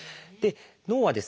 脳はですね